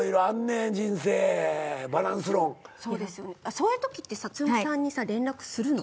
そういうときってさつんく♂さんに連絡するの？